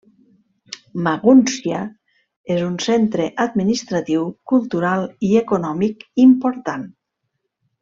Magúncia és un centre administratiu, cultural i econòmic important.